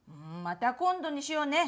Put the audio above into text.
また今度にしようね！